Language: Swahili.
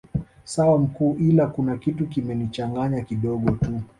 Sawa mkuu ila kuna kitu kimenichanganya kidogo tu